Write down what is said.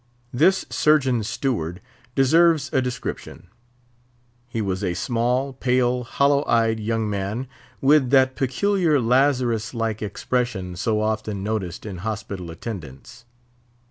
This surgeon's steward deserves a description. He was a small, pale, hollow eyed young man, with that peculiar Lazarus like expression so often noticed in hospital attendants.